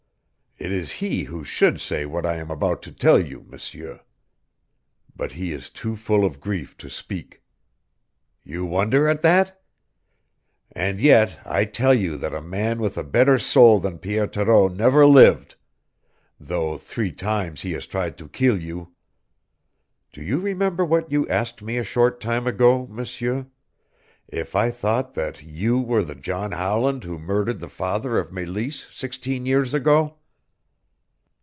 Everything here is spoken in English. It is he who should say what I am about to tell you, M'seur. But he is too full of grief to speak. You wonder at that? And yet I tell you that a man with a better soul than Pierre Thoreau never lived, though three times he has tried to kill you. Do you remember what you asked me a short time ago, M'seur if I thought that you were the John Howland who murdered the father of Meleese sixteen years ago?